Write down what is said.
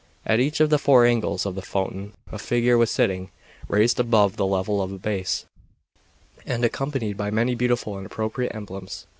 At each of the four angles of the fountain a figure was sitting, raised above the level of the base, and accompanied by many beautiful and appropriate emblems.